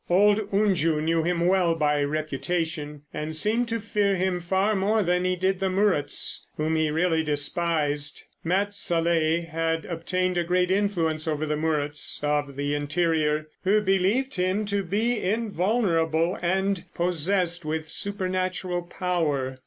Old Unju knew him well by reputation, and seemed to fear him far more than he did the Muruts, whom he really despised. Mat Salleh had obtained a great influence over the Muruts of the interior, who believed him to be invulnerable and possessed with supernatural power.